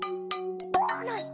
ない。